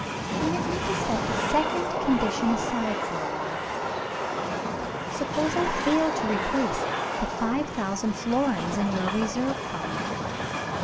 "Permit me to set the second condition aside for awhile. Suppose I fail to replace the five thousand florins in your reserve fund?"